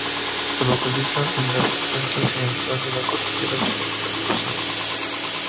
Se localiza en la vertiente occidental de la cordillera Occidental de los Andes.